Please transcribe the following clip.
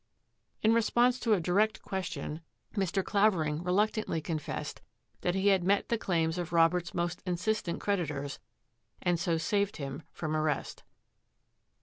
In response to a direct question, Mr. Claverlng reluctantly confessed that he had met the claims of Robert's most Insistent creditors and so saved him from arrest.